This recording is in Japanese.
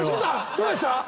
どうでした？